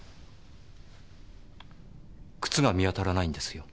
靴が見当たらないんですよ。